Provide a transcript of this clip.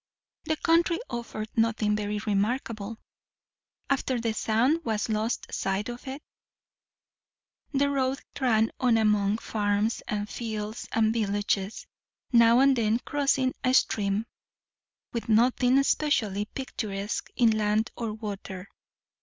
The country offered nothing very remarkable. After the Sound was lost sight of, the road ran on among farms and fields and villages; now and then crossing a stream; with nothing specially picturesque in land or water.